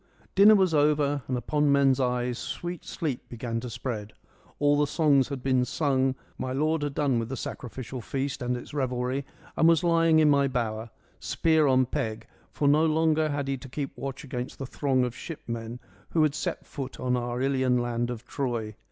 Dinner was over and upon men's eyes sweet sleep began to spread. All the songs had been sung : my lord had done with the sacrificial feast and its revelry and was lying in my bower, spear on peg, for no longer had he to keep watch against the throng of shipmen who had set foot on our Ilian land of Troy.